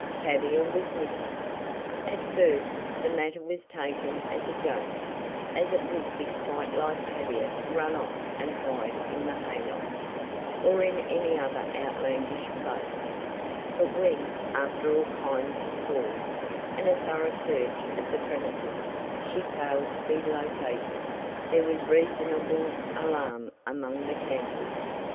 Tavia was missing! At first the matter was taken as a joke, as it would be quite like Tavia to run off and hide in the hay loft, or in any other outlandish place; but when, after all kinds of calls, and a thorough search of the premises, she failed to be located, there was reasonable alarm among the campers.